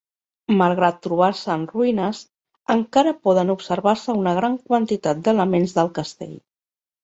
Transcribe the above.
Malgrat trobar-se en ruïnes, encara poden observar-se una gran quantitat d'elements del castell.